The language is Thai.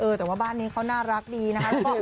แต่ว่าบ้านนี้เขาน่ารักดีนะครับ